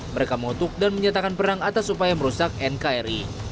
mereka mengutuk dan menyatakan perang atas upaya merusak nkri